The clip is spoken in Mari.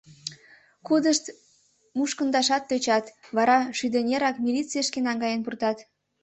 Кудышт мушкындашат тӧчат, вара шӱдыренак, милицийышке наҥгаен пуртат.